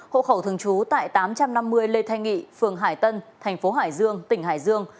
hộ khẩu thường trú tại tám trăm năm mươi lê thanh nghị phường hải tân thành phố hải dương tỉnh hải dương